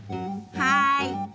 はい！